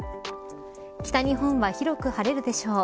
北日本は広く晴れるでしょう。